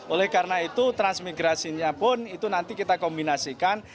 oleh karena itu transmigrasinya pun itu nanti kita kombinasikan